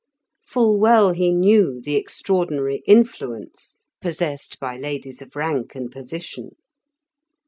Full well he knew the extraordinary influence possessed by ladies of rank and position.